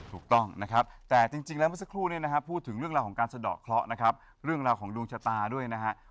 ถูกต้องนะครับแต่จริงแล้วเมื่อสักครู่เนี่ยนะฮะพูดถึงเรื่องราวของการสะดอกเคราะห์นะครับเรื่องราวของดวงชะตาด้วยนะฮะ